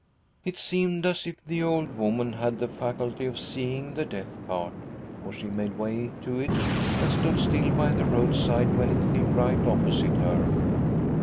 It seemed as if the old woman had the faculty of seeing the death cart, for she made way for it, and stood still by the roadside when it came right opposite her.